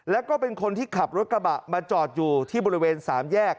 แล้วก็เป็นคนที่ขับรถกระบะมาจอดอยู่ที่บริเวณ๓แยก